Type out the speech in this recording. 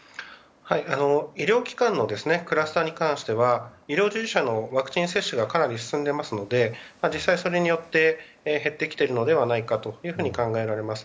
医療機関のクラスターに関しては医療従事者のワクチン接種がかなり進んでいますので実際、それによって減ってきているのではないかと考えられます。